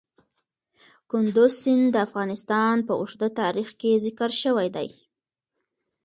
کندز سیند د افغانستان په اوږده تاریخ کې ذکر شوی دی.